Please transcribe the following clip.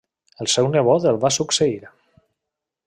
El seu nebot el va succeir.